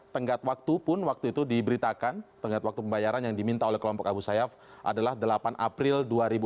tenggat waktu pun waktu itu diberitakan tenggat waktu pembayaran yang diminta oleh kelompok abu sayyaf adalah delapan april dua ribu dua puluh